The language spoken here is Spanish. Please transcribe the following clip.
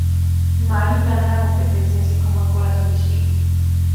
Mary gana la competencia, así como el corazón de Sky.